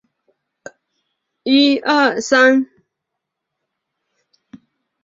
看起来怵目惊心